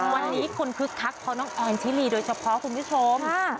วันนี้คนคึกคักเพราะน้องออนชิลีโดยเฉพาะคุณผู้ชม